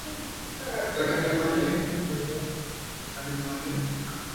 Se describe como nadie y todo el mundo en uno.